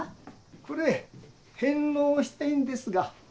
これ返納したいんですが。